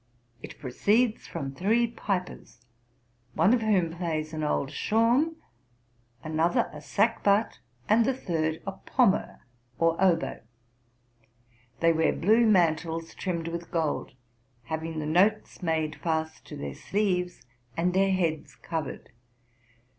It proceeds from three pipers, one of whom plays an old shawm, another a sackbut, and the third a pommer, or oboe. They wear blue mantles trimmed with gold, having the notes made fast to their sleeves, and their heads covered.